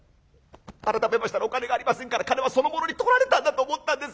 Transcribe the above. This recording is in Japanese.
あらためましたらお金がありませんから金はその者にとられたんだと思ったんです。